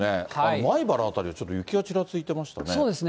米原辺りは、ちょっと雪がちらついてましたね。